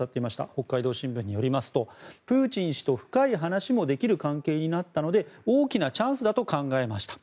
北海道新聞によりますとプーチン氏と深い話もできる関係になったので大きなチャンスだと考えました